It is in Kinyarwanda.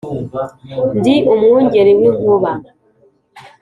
ndi umwungeri w’inkuba